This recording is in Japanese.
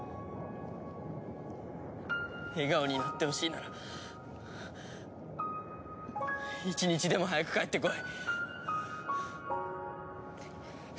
笑顔になってほしいなら一日でも早く帰ってこい！